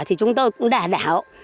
thì chúng tôi cũng đã đảo